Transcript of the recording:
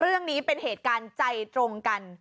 เรื่องนี้เป็นเหตุการณ์ใจตรงกัน